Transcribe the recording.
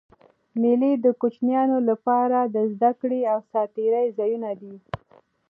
مېلې د کوچنيانو له پاره د زدهکړي او ساتېري ځایونه دي.